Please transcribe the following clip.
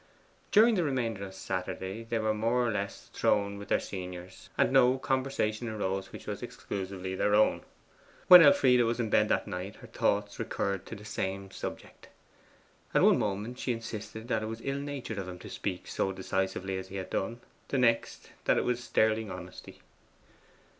During the remainder of Saturday they were more or less thrown with their seniors, and no conversation arose which was exclusively their own. When Elfride was in bed that night her thoughts recurred to the same subject. At one moment she insisted that it was ill natured of him to speak so decisively as he had done; the next, that it was sterling honesty.